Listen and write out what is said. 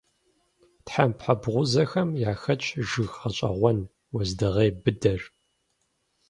Тхьэмпэ бгъузэхэм яхэтщ жыг гъэщӀэгъуэн - уэздыгъей быдэр.